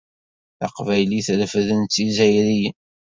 Taqbaylit refden-tt yizzayriyen.